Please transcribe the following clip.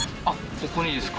ここにですか？